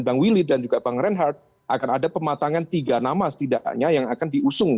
bang willy dan juga bang reinhardt akan ada pematangan tiga nama setidaknya yang akan diusung